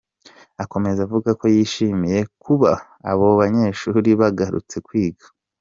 Akomeza avuga ko yishimiye kuba abo banyeshuri bagarutse kwiga.